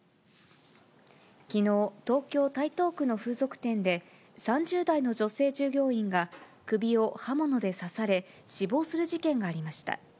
きのう、東京・台東区の風俗店で、３０代の女性従業員が首を刃物で刺され、死亡する事件がありました。